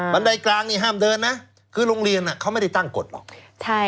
ันไดกลางนี่ห้ามเดินนะคือโรงเรียนเขาไม่ได้ตั้งกฎหรอกใช่